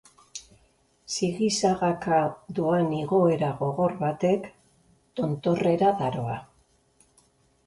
Sigi-sagaka doan igoera gogor batek, tontorrera daroa.